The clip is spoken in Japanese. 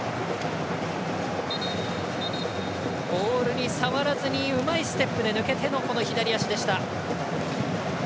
ボールに触らずにうまいステップで抜けての、左足でした。